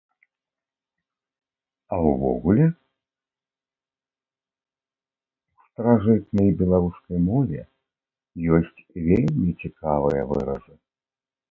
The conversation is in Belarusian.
А ўвогуле ў старажытнай беларускай мове ёсць вельмі цікавыя выразы.